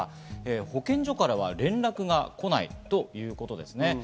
保健所からは連絡が来ないということですね。